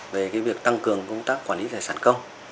về việc tăng cường công tác quản lý tài sản công